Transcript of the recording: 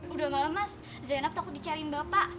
udah malam mas zainab takut dicariin bapak